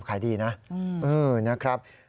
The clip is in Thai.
ขายดีนะ